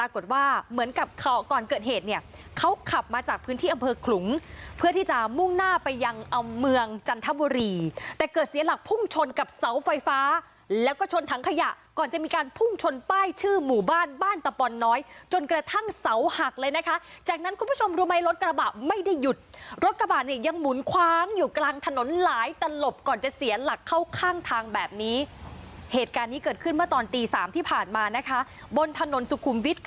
เกิดเสียหลักพุ่งชนกับเสาไฟฟ้าแล้วก็ชนทางขยะก่อนจะมีการพุ่งชนป้ายชื่อหมู่บ้านบ้านตะปอนน้อยจนกระทั่งเสาหักเลยนะคะจากนั้นคุณผู้ชมรู้ไหมรถกระบะไม่ได้หยุดรถกระบะเนี่ยยังหมุนคว้างอยู่กลางถนนหลายตะลบก่อนจะเสียหลักเข้าข้างทางแบบนี้เหตุการณ์นี้เกิดขึ้นเมื่อตอนตีสามที่ผ่านมานะคะบนถนนสุคุมว